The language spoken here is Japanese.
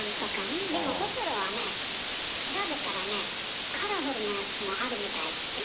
でもオセロはね調べたらねカラフルなやつもあるみたいですよ。